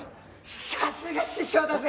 さすが師匠だぜ！